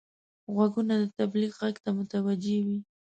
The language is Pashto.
غوږونه د تبلیغ غږ ته متوجه وي